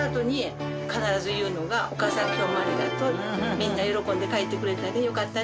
みんな喜んで帰ってくれたねよかったね。